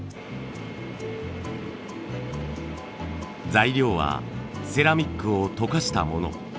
材料はセラミックを溶かしたもの。